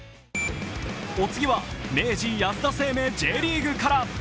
お次は明治安田生命Ｊリーグから。